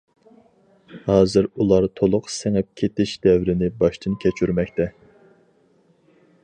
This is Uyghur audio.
ھازىر ئۇلار تولۇق سىڭىپ كېتىش دەۋرىنى باشتىن كەچۈرمەكتە.